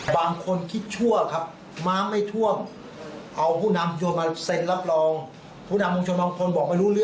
บางคนคิดชั่วครับ